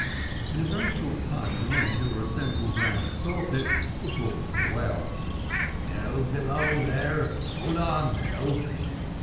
In a very short time the men who were assembled round the saw pit were brought to the well. "Down below there, hold on now."